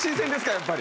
やっぱり。